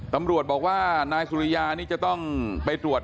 ตำรวจบอกว่านายสุริยานี่จะต้องไปตรวจ